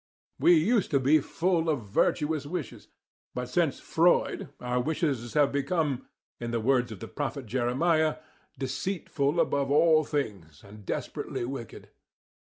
We used to be full of virtuous wishes, but since Freud our wishes have become, in the words of the Prophet Jeremiah, "deceitful above all things and desperately wicked."